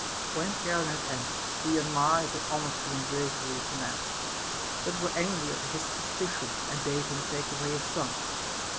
When Charon had ended, we admired the honesty and bravery of the man, but were angry at his suspicion, and bade him take away his son.